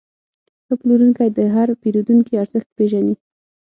ښه پلورونکی د هر پیرودونکي ارزښت پېژني.